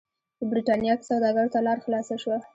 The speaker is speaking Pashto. په برېټانیا کې سوداګرو ته لار خلاصه شوه.